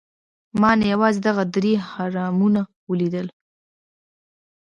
ما نه یوازې دغه درې اهرامونه ولیدل.